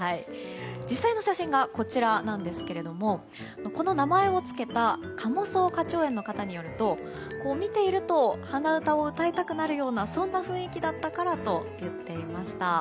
実際の写真がこちらですがこの名前を付けた加茂荘花鳥園の方によると見ていると鼻歌を歌いたくなるようなそんな雰囲気だったからと言っていました。